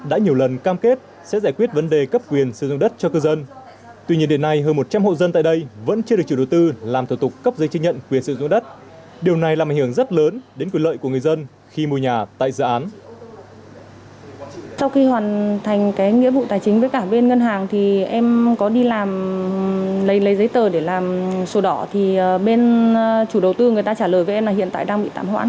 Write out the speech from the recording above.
thì em có đi làm lấy giấy tờ để làm sổ đỏ thì bên chủ đầu tư người ta trả lời với em là hiện tại đang bị tạm hoãn